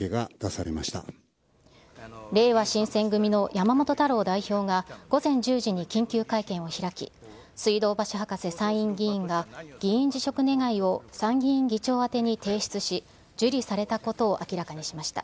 れいわ新選組の山本太郎代表が午前１０時に緊急会見を開き、水道橋博士参院議員が議員辞職願を参議院議長宛てに提出し、受理されたことを明らかにしました。